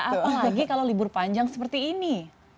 apa lagi kalau libur panjang seperti ini